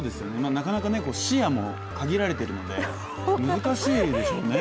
なかなか視野も限られているので難しいでしょうね。